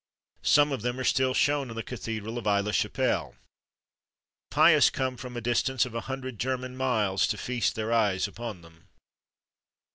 Some of them are still shewn in the cathedral of Aix la Chapelle. The pious come from a distance of a hundred German miles to feast their eyes upon them.